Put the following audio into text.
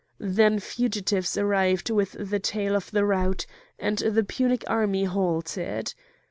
Then fugitives arrived with the tale of the rout, and the Punic army halted.